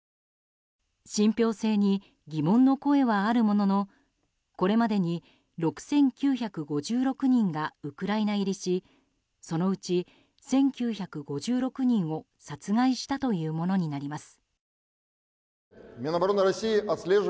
信憑性に疑問の声はあるもののこれまでに６９５６人がウクライナ入りしそのうち１９５６人を殺害したというものになります。